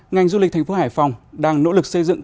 ngành du lịch thành phố hải phòng đang nỗ lực xây dựng các trường